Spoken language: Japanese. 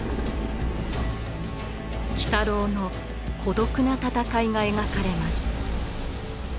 鬼太郎の孤独な闘いが描かれます。